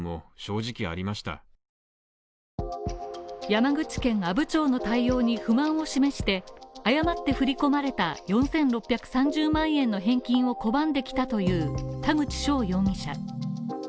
山口県阿武町の対応に不満を示して誤って振り込まれた４６３０万円の返金を拒んできたという田口翔容疑者